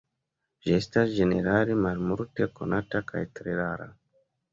Ĝi estas ĝenerale malmulte konata kaj tre rara.